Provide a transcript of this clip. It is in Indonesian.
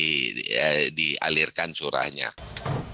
kementerian perdagangan menegaskan